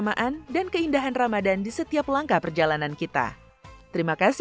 dan demikianlah program resonansi ramadhan spesial kita hari ini